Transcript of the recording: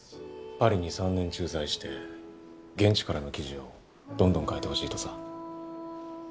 パリに３年駐在して現地からの記事をどんどん書いてほしいとさ。